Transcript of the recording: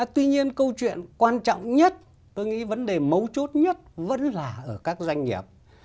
tuy nhiên câu chuyện quan trọng nhất tôi nghĩ vấn đề mấu chốt nhất vẫn là ở các doanh nghiệp